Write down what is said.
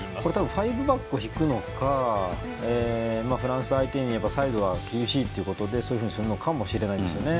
ファイブバックを敷くのかフランス相手にサイドは厳しいということでそういうふうにするのかもしれないですよね。